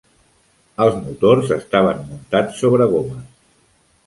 Els motors estaven muntats sobre gomes.